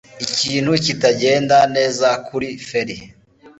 Ikintu kitagenda neza kuri feri.